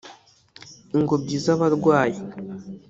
ingobyi z’abarwayi